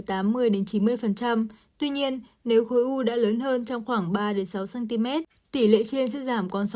tuy nhiên nếu khối u đã lớn hơn trong khoảng ba sáu cm tỷ lệ trên sẽ giảm còn sáu mươi